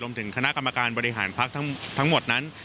ถึงคณะกรรมการบริหารพักทั้งหมดนั้น